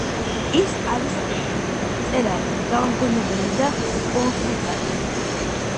ის არის ექიმი, მწერალი, გამომგონებელი და კონსულტანტი.